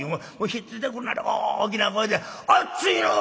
ひっついてくるなり大きな声で「あっついのう！